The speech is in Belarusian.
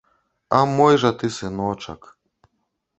А мой жа ты сыночак!